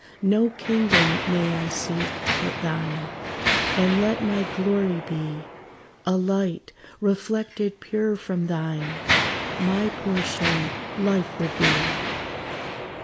No kingdom may I seek, but thine; And let my glory be A light, reflected pure from thine My portion, life with thee!